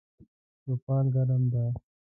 چوپال ګرم ده